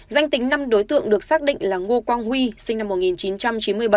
danh tính năm đối tượng được xác định là ngô quang huy sinh năm một nghìn chín trăm chín mươi bảy